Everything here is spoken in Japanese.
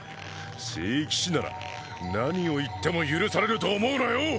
聖騎士なら何を言っても許されると思うなよ